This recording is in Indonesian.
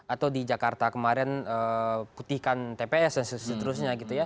atau di jakarta kemarin putihkan tps dan seterusnya